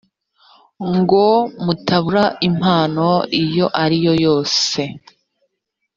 ngo mutabura impano iyo ari yo yose